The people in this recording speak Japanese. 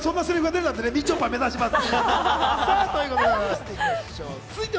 みちょぱ目指します。